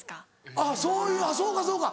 あっそういうそうかそうか。